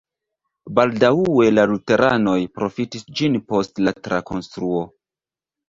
Baldaŭe la luteranoj profitis ĝin post la trakonstruo.